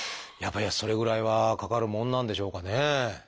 やっぱりそれぐらいはかかるもんなんでしょうかね。